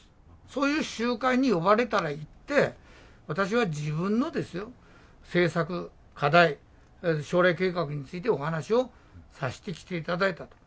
そういう集会に呼ばれたら行って、私は自分のですよ、政策、課題、将来計画についてお話をさせてきていただいたと。